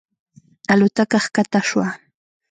الوتکه ښکته شوه.